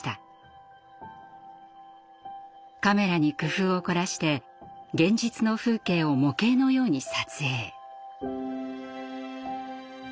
カメラに工夫を凝らして現実の風景を模型のように撮影。